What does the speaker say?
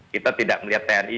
kita tidak melihat tni